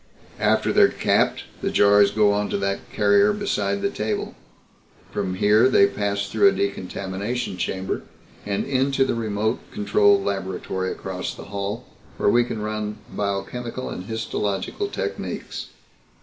"After they're capped, the jars go onto that carrier beside the table. From here they pass through a decontamination chamber and into the remote control laboratory across the hall where we can run biochemical and histological techniques.